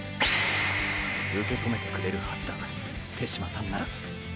受け止めてくれるはずだ手嶋さんなら。